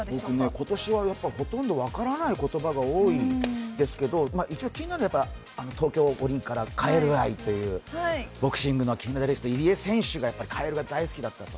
今年はほとんど分からない言葉が多いんですけど一応気になるのは東京五輪からカエル愛というボクシングの金メダリスト入江選手がかえるが大好きだったと。